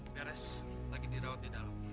beres lagi dirawat di dalam